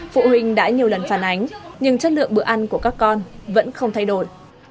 phụ huynh đã nhiều lần phản ánh nhưng chất lượng bữa ăn của các con vẫn không thay đổi